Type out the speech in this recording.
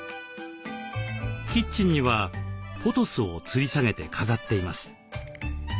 キッチンにはポトスをつり下げて飾っています。